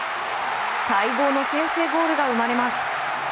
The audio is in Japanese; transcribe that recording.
待望の先制ゴールが生まれます。